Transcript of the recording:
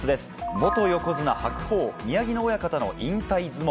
元横綱・白鵬、宮城野親方の引退相撲。